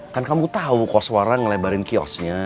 kan kamu tahu koswara ngelebarin kiosnya